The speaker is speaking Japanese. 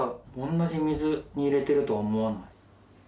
同じ水に入れてるとは思わない。